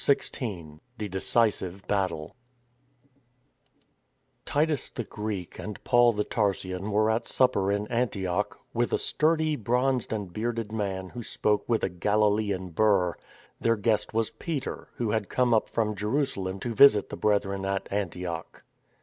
XVI THE DECISIVE BATTLE TITUS the Greek, and Paul the Tarsian were at supper in Antioch, with a sturdy, bronzed and bearded man, who spoke with a GaHlean burr. Their guest was Peter, who had come up from Jerusa lem to visit the Brethren at Antioch.